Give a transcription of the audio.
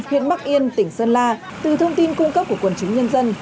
huyện bắc yên tỉnh sơn la từ thông tin cung cấp của quần chúng nhân dân